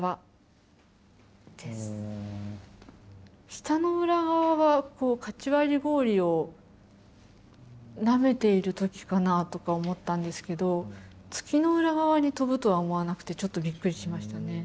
「舌の裏側」はカチ割り氷をなめている時かなとか思ったんですけど「月の裏側」に飛ぶとは思わなくてちょっとびっくりしましたね。